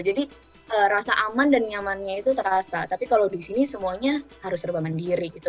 jadi rasa aman dan nyamannya itu terasa tapi kalau di sini semuanya harus serba mandiri gitu